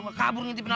iya tapi ini dimana